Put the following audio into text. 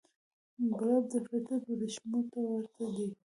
ګلاب د فطرت وریښمو ته ورته دی.